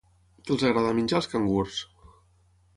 Què els agrada menjar als cangurs?